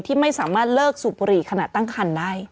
ที่ไม่สามารถเลิกสูบบุหรี่ขณะตั้งคันได้